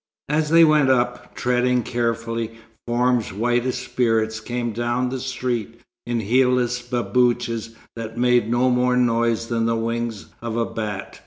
As they went up, treading carefully, forms white as spirits came down the street in heelless babouches that made no more noise than the wings of a bat.